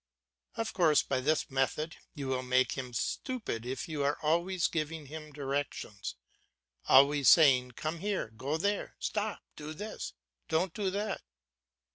Of course by this method you will make him stupid if you are always giving him directions, always saying come here, go there, stop, do this, don't do that.